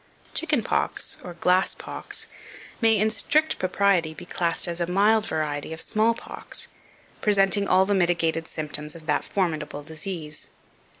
2538. CHICKEN POX, or GLASS POX, may, in strict propriety, be classed as a mild variety of small pox, presenting all the mitigated symptoms of that formidable disease.